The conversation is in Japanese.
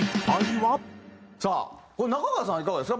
これ中川さんはいかがですか？